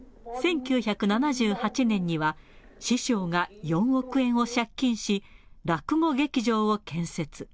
１９７８年には、師匠が４億円を借金し、落語劇場を建設。